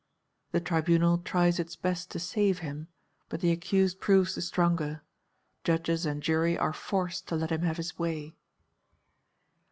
The Tribunal tries its best to save him, but the accused proves the stronger; judges and jury are forced to let him have his way.